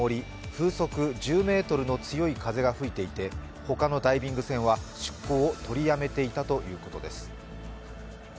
風速１０メートルの強い風が吹いていてほかのダイビング船は出航を取りやめていたということです。